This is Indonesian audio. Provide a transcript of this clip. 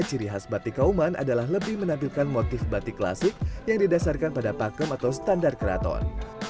ciri khas batik kauman adalah lebih menampilkan motif batik klasik yang didasarkan pada pakem atau standar keraton